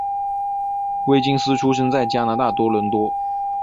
威金斯出生在加拿大多伦多。